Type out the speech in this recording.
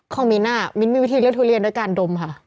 มิ้นมิ้นมีวิธีเลือกทุเรียนด้วยการดมค่ะ